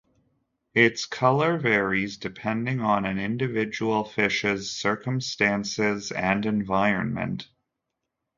Its color varies depending on an individual fish's circumstances and environment.